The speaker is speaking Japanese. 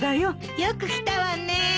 よく来たわね。